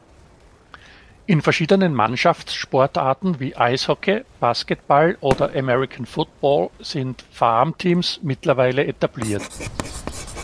In verschiedenen Mannschaftssportarten wie Eishockey, Basketball oder American Football sind Farmteams mittlerweile etabliert.